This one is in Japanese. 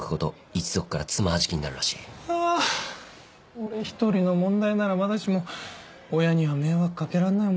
俺一人の問題ならまだしも親には迷惑掛けらんないもんな。